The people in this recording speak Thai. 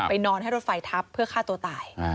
นอนให้รถไฟทับเพื่อฆ่าตัวตาย